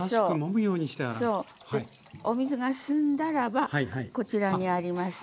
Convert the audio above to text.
お水が澄んだらばこちらにあります。